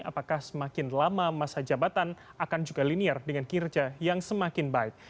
apakah semakin lama masa jabatan akan juga linear dengan kinerja yang semakin baik